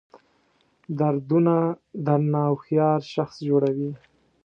دردونه درنه هوښیار شخص جوړوي.